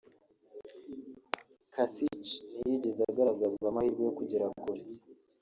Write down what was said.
Kasich ntiyigeze agaragaza amahirwe yo kugera kure